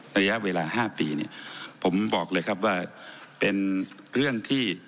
ระยะเวลา๕ปีเนี่ยผมบอกเลยครับว่าเป็นเรื่องที่